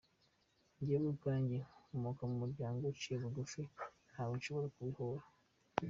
Njyewe ubwanjye nkomoka mu muryango uciye bugufi, ntawe nshobora kubihora.